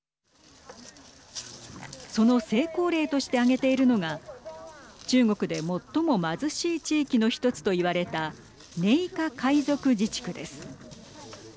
その成功例として挙げているのが中国で最も貧しい地域の一つといわれた寧夏回族自治区です。